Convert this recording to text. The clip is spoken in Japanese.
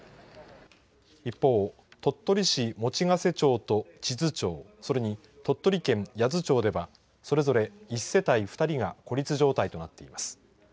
一方、鳥取市用瀬町と智頭町、それに鳥取県八頭町ではそれぞれ１世帯２人が孤立状態となっています。